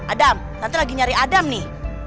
adam nanti lagi nyari adam nih